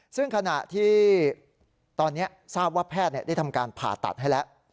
ซึ่งขณะที่ตอนนี้ทราบว่าแพทย์ได้ทำการผ่าตัดให้แล้ว